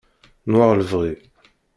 n war lebɣi